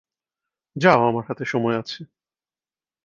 যাও, আমার হাতে সময় আছে।